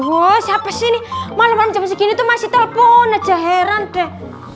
edo siapa sih ini malam malam jam segini masih telpon aja heran deh